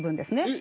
え？